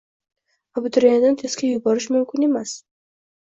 Abituriyentni testga yuborish mumkin emas.